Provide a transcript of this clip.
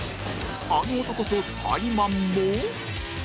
あの男とタイマンも